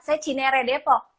saya cinere depoh